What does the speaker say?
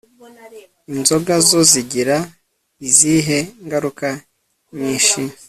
Inzoga zo zigira izihe ngaruka nyinshi